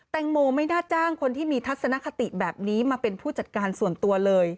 แตงโมไม่น่าจ้างคนที่มีทัศนคติแบบนี้มาเป็นผู้จัดการส่วนตัวเลย